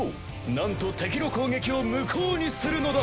なんと敵の攻撃を無効にするのだ。